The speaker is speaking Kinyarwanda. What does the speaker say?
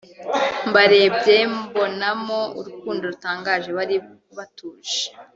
Mbarebye mbabonamo urukundo rutangaje bari batuje